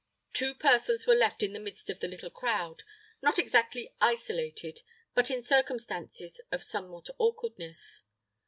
Two persons were left in the midst of the little crowd, not exactly isolated, but in circumstances of some awkwardness.